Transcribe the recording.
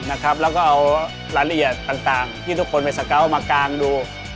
แล้วก็เอารายละเอียดต่างที่ทุกคนไปสเกาะมากางดู